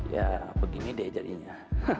ya begini deh jadinya